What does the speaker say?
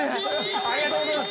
ありがとうございます。